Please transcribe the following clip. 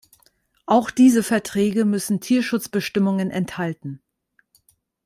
Auch diese Verträge müssen Tierschutzbestimmungen enthalten.